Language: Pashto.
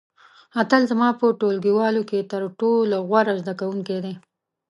اتل زما په ټولګیوالو کې تر ټولو غوره زده کوونکی دی.